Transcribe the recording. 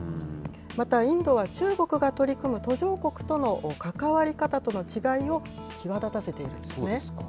またインドは、中国が取り組む途上国との関わり方との違いを際立たせているんですね。